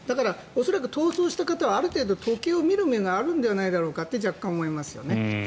恐らく逃走した人はある程度、時計を見る目があるのではと若干、思いますよね。